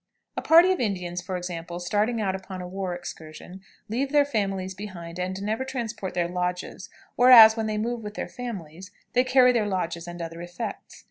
A party of Indians, for example, starting out upon a war excursion, leave their families behind, and never transport their lodges; whereas, when they move with their families, they carry their lodges and other effects.